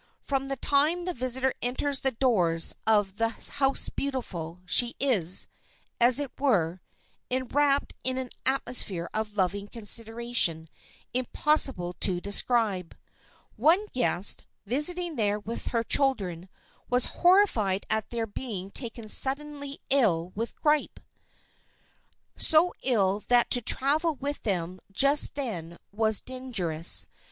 From the time the visitor enters the doors of this House Beautiful she is, as it were, enwrapped in an atmosphere of loving consideration impossible to describe. One guest, visiting there with her children, was horrified at their being taken suddenly ill with grippe,—so ill that to travel with them just then was dangerous.